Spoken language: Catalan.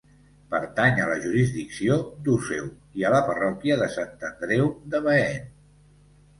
Pertany a la jurisdicció d'Useu i a la parròquia de Sant Andreu de Baén.